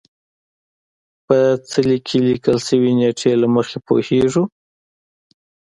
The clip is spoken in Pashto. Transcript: په څلي کې لیکل شوې نېټې له مخې پوهېږو.